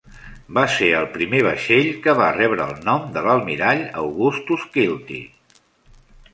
Va ser el primer vaixell que va rebre el nom de l'almirall Augustus Kilty.